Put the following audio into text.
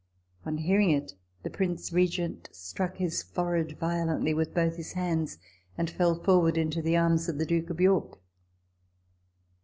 On hearing it, the Prince Regent struck his forehead violently with both his hands, and fell forward into the arms of the Duke of York.